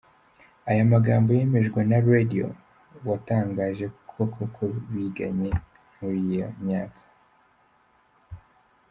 Aya magambo yemejwe na Radio watangaje koko biganye muri iyo myaka.